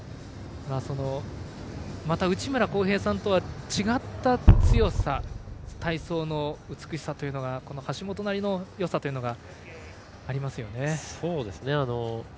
また内村航平さんとは違った強さ、体操の美しさが橋本なりのよさというのがありますよね。